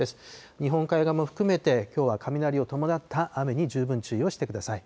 日本海側も含めて、きょうは雷を伴った雨に十分注意をしてください。